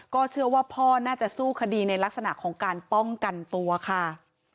เชื่อว่าพ่อน่าจะสู้คดีในลักษณะของการป้องกันตัวค่ะ